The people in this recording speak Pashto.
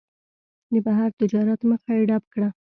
د بهر تجارت مخه یې ډپ کړه.